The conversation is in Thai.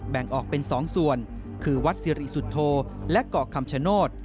แบ่งออกเป็น๒ส่วนคือวัดสิริสุทธโธและเกาะคำชโนธ